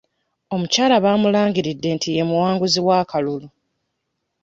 Omukyala baamulangiridde nti ye muwanguzi w'akalulu.